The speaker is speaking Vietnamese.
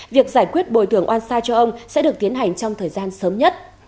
việc giải quyết bồi tưởng oan xa cho ông sẽ được tiến hành trong thời gian sớm nhất